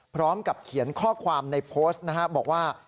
พร้อมกับเขียนข้อความในโพสต์นะครับบอกว่า